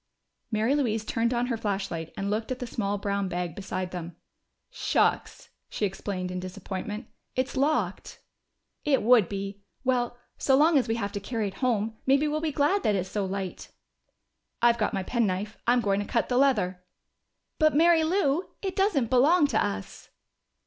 Mary Louise turned on her flashlight and looked at the small brown bag beside them. "Shucks!" she exclaimed in disappointment. "It's locked." "It would be. Well, so long as we have to carry it home, maybe we'll be glad that it's so light." "I've got my penknife. I'm going to cut the leather." "But, Mary Lou, it doesn't belong to us!"